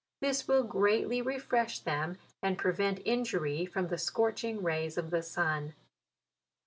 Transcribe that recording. This will greatly refresh them, and prevent injury from the scorching rays of the sun.